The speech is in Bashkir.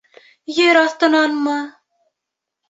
— Ер аҫтынанмы?